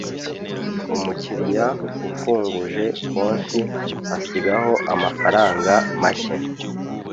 Umukiriya afunguje konti asigaho amafaranga macye